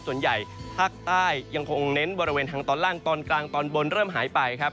ส่วนใหญ่ภาคใต้ยังคงเน้นบริเวณทางตอนล่างตอนกลางตอนบนเริ่มหายไปครับ